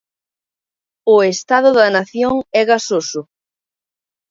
O estado da Nación é gasoso.